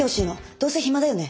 どうせ暇だよね？